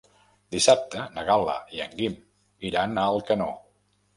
Dissabte na Gal·la i en Guim iran a Alcanó.